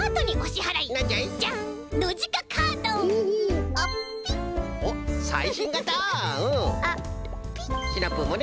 はい！